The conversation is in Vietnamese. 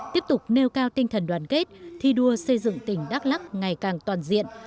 tiếp tục nêu cao tinh thần đoàn kết thi đua xây dựng tỉnh đắk lắc ngày càng toàn diện